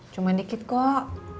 cuma dikit kok